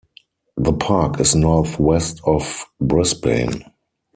The park is northwest of Brisbane.